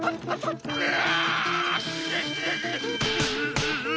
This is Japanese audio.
うわ！